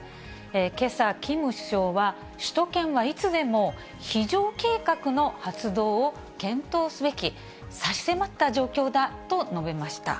けさ、キム首相は、首都圏はいつでも非常計画の発動を検討すべき、差し迫った状況だと述べました。